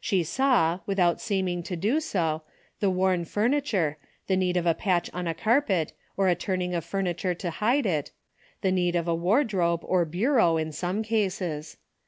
She saw, without seeming to do so, the worn furniture, the need of a patch on a carpet, or a turning of furniture to hide it, the need of a ward robe, or bureau in some cases.